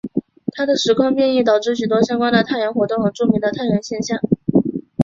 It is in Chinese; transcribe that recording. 他的时空变异导致许多相关的太阳活动和著名的太阳现象。